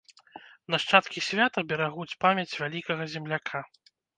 Нашчадкі свята берагуць памяць вялікага земляка.